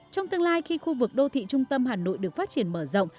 trong tương lai khi khu vực đô thị trung tâm hà nội được phát triển mở rộng